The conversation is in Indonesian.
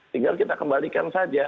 tinggal kita kembalikan saja